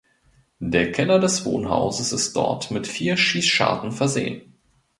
Der Keller des Wohnhauses ist dort mit vier Schießscharten versehen.